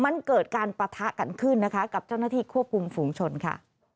มันเกิดการปะทะกันขึ้นนะคะกับเจ้าหน้าที่ควบคุมฝูงชนค่ะ